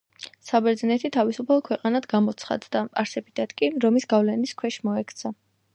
საბერძნეთი „თავისუფალ“ ქვეყანად გამოცხადდა, არსებითად კი რომის გავლენის ქვეშ მოექცა.